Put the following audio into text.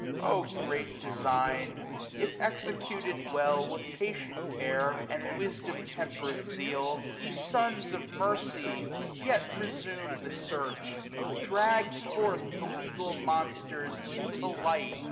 375 O great design ! if executed well. With patient care, and wisdom temper'd zeal. Ye sons of mercy! yet resume the search ; Drag forth the legal monsters into light.